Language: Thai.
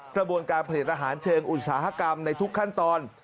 กระบวนการผลิตอาหารเชิงอุตสาหกรรมในทุกขั้นตอน